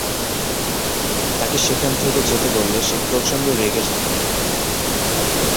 তাকে সেখান থেকে যেতে বললে সে প্রচন্ড রেগে যেত।